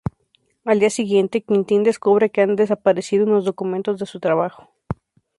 Al día siguiente, Quintín descubre que han desaparecido unos documentos de su trabajo.